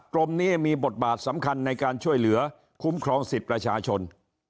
กรมนี้มีบทบาทสำคัญในการช่วยเหลือคุ้มครองสิทธิ์ประชาชน